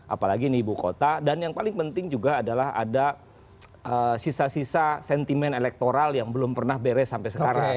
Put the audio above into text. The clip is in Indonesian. apalagi ini ibu kota dan yang paling penting juga adalah ada sisa sisa sentimen elektoral yang belum pernah beres sampai sekarang